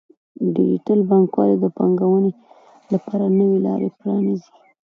ډیجیټل بانکوالي د پانګونې لپاره نوې لارې پرانیزي.